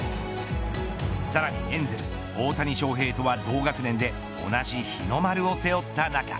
さらにエンゼルス大谷翔平とは同学年で同じ日の丸を背負った仲。